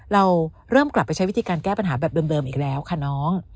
เราเริ่มกลับไปใช้วิธีการแก้ปัญหาแบบเดิมอีกแล้วค่ะน้อง